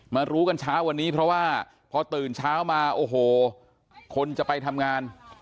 รู้กันเช้าวันนี้เพราะว่าพอตื่นเช้ามาโอ้โหคนจะไปทำงาน